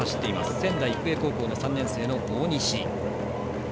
仙台育英高校３年生の大西。